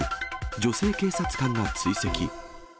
女性警察官が追跡。